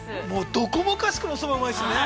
◆どこもかしこもそばがうまいですからね。